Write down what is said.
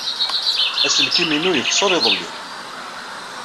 Aselkim-inu yexṣer iḍelli.